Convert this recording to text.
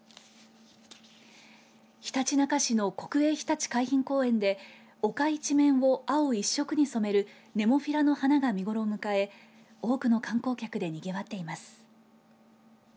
ひたちなか市の国営ひたち海浜公園で丘一面を青一色に染めるネモフィラの花が見頃を迎え多くの観光客でにぎわっています。